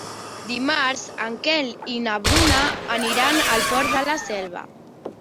Dimarts en Quel i na Bruna aniran al Port de la Selva.